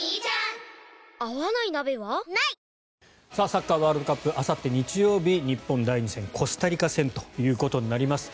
サッカーワールドカップあさって日曜日、日本第２戦コスタリカ戦となります。